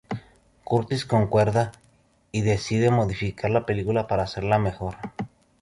Curtis concuerda, y decide modificar la película para hacerla mejor.